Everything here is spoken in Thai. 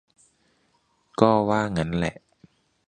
ก็ว่างั้นแหละ